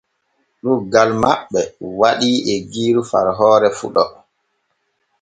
Ɗuuggal maɓɓe waɗii eggiiru far hoore fuɗo.